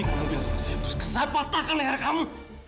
aku akan patahkan leher kamu